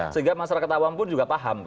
sehingga masyarakat awam pun juga paham